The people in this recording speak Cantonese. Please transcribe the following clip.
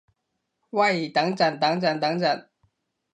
喂等陣等陣等陣